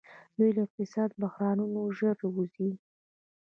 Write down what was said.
دوی له اقتصادي بحرانونو ژر وځي.